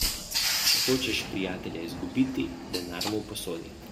Če hočeš prijatelja izgubiti, denar mu posodi.